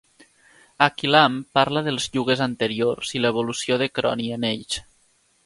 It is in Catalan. Akilam parla dels yugues anteriors i l'evolució de Kroni en ells.